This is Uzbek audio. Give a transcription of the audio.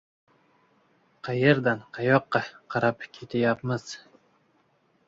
Qayerdan qayoqqa qarab ketyapmiz?